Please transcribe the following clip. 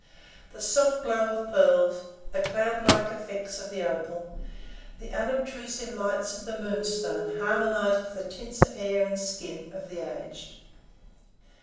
The soft glow of pearls, the cloudlike effects of the opal, the unobtrusive lights of the moonstone harmonize with the tints of hair and skin of the aged.